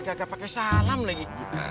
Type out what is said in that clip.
gak pake salam lagi